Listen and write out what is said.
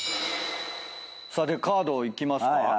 カードいきますか。